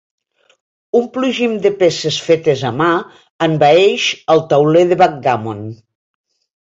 Un plugim de peces fetes a mà envaeix el tauler de backgammon.